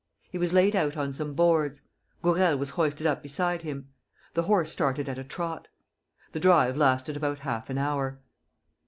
He was laid out on some boards. Gourel was hoisted up beside him. The horse started at a trot. The drive lasted about half an hour.